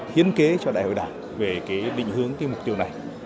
hiến kế cho đại hội đảng về cái định hướng cái mục tiêu này